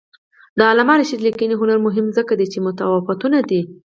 د علامه رشاد لیکنی هنر مهم دی ځکه چې متفاوته دی.